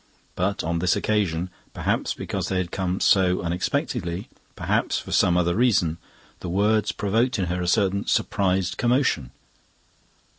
But on this occasion perhaps because they had come so unexpectedly, perhaps for some other reason the words provoked in her a certain surprised commotion.